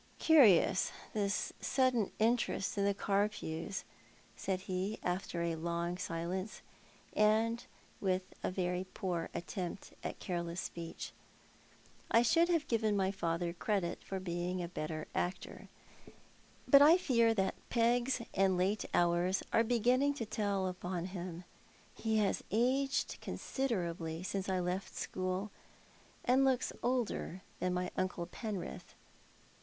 "Curious, this sudden interest in the Carpews," said he, after a long silence, and with a very poor attempt at careless speech. I should have given my father credit for being a better actor, but I fear that pegs and late hours are beginning to tell upon him. He has aged considerably since I left school, and looks older than my uncle Penrith.